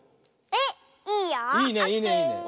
えっいいよ。